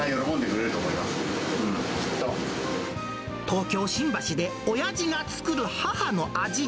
東京・新橋でおやじが作る母の味。